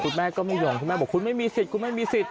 คุณแม่ก็ไม่ยอมคุณแม่บอกคุณไม่มีสิทธิ์คุณไม่มีสิทธิ